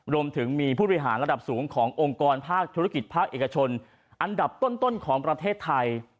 รวมถึงมีผู้บริหารระดับสูงขององค์กรภาคธุรกิจภาคเอกชนอันดับต้นของประเทศไทย